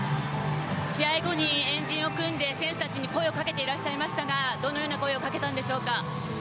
試合後に円陣を組んで選手たちに声をかけていらっしゃいましたがどのような声をかけたんでしょうか？